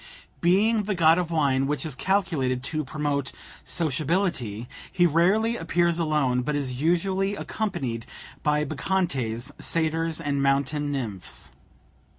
Being the god of wine, which is calculated to promote sociability, he rarely appears alone, but is usually accompanied by Bacchantes, satyrs, and mountain nymphs.